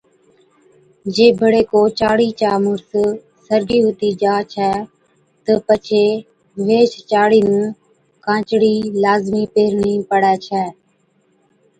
جي بڙي ڪو چاڙي چا مُڙس سرگِي ھُتِي جا ڇَي تہ پڇي ويھِچ چاڙي نُون ڪانچڙِي لازمِي پيھرڻِي پڙَي ڇَي